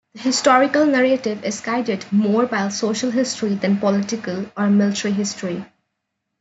The historical narrative is guided more by social history than political or military history.